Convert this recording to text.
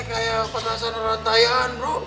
kayak pernasan rantaian bro